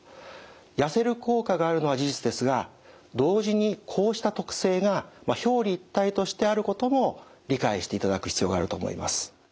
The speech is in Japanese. やせる効果があるのは事実ですが同時にこうした特性が表裏一体としてあることも理解していただく必要があると思います。